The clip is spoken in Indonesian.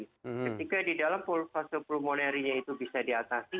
ketika di dalam fase plumonarinya itu bisa diatasi